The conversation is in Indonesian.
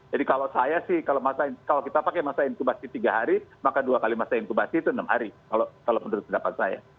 jadi kalau saya sih kalau kita pakai masa inkubasi tiga hari maka dua kali masa inkubasi itu enam hari kalau menurut pendapat saya